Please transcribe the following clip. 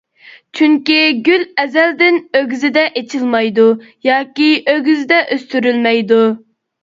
چۈنكى گۈل ئەزەلدىن ئۆگزىدە ئېچىلمايدۇ ياكى ئۆگزىدە ئۆستۈرۈلمەيدۇ.